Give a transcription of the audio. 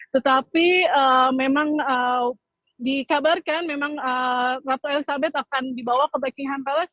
tetapi memang dikabarkan memang ratu elizabeth akan dibawa ke breakingham palace